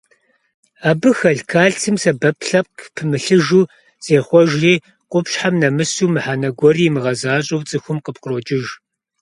Абы хэлъ кальцийм сэбэп лъэпкъ пымылъыжу зехъуэжри, къупщхьэм нэмысауэ, мыхьэнэ гуэри имыгъэзэщӀауэ цӀыхум къыпкърокӀыж.